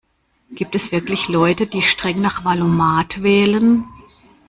Gibt es wirklich Leute, die streng nach Wahl-o-mat wählen?